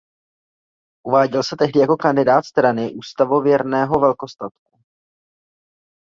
Uváděl se tehdy jako kandidát Strany ústavověrného velkostatku.